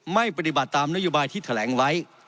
ไม่ปฏิบัติตามนโยบายที่แถลงไว้